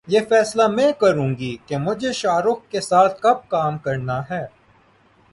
یہ فیصلہ میں کروں گی کہ مجھے شاہ رخ کے ساتھ کب کام کرنا ہے